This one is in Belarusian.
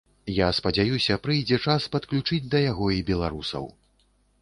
Я спадзяюся прыйдзе час падключыць да яго і беларусаў.